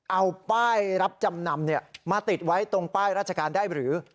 เอาป้ายรับจำนำมาติดไว้ตรงป้ายราชการได้หรือ